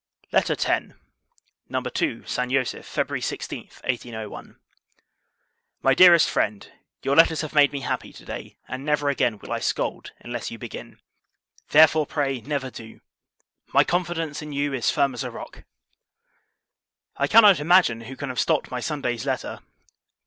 LETTER X. No 2. San Josef, February 16th, 1801. MY DEAREST FRIEND, Your letters have made me happy, to day; and never again will I scold, unless you begin. Therefore, pray, never do; My confidence in you is firm as a rock. I cannot imagine, who can have stopped my Sunday's letter!